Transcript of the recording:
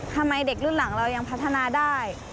ทำไมเด็กรุ่นหลังเรายังพัฒนาได้